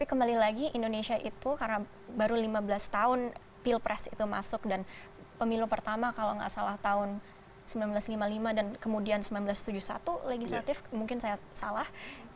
kembali lagi indonesia itu karena baru lima belas tahun pilpres itu masuk dan pemilu pertama kalau nggak salah tahun seribu sembilan ratus lima puluh lima dan kemudian seribu sembilan ratus tujuh puluh satu legislatif mungkin saya salah